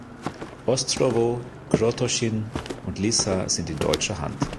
Ostrowo, Krotoschin und Lissa sind in deutscher Hand.